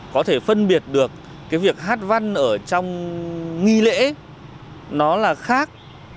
có thể phân biệt được cái việc hát văn ở trong nghi lễ nó là khác